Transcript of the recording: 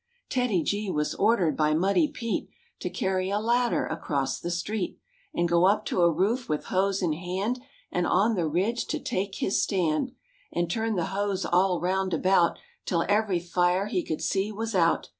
TEDDY G was ordered by Muddy Pete To carry a ladder across the street, And go up to a roof with hose in hand, And on the ridge to take his stand, And turn the hose all round about Till every fire he could see was out.